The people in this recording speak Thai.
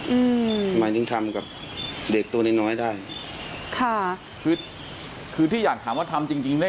อืมหมายถึงทำกับเด็กตัวน้อยน้อยได้ค่ะคือคือที่อยากถามว่าทำจริงจริงไหม